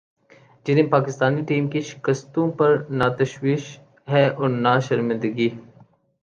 جنہیں پاکستانی ٹیم کی شکستوں پر نہ تشویش ہے اور نہ شرمندگی ۔